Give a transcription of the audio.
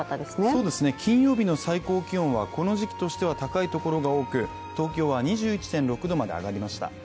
そうですね、金曜日の最高気温はこの時期としては高いところが多く東京は２１．６度まで上がりました。